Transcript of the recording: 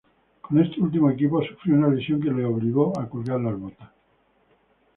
Con este último equipo sufrió una lesión que le obligó a colgar las botas.